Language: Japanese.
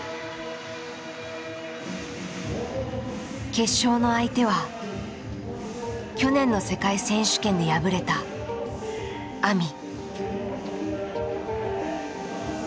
決勝の相手は去年の世界選手権で敗れたＡＭＩ。